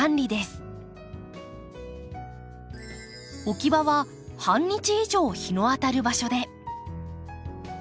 置き場は半日以上日の当たる場所で。